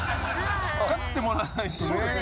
勝ってもらわないとね。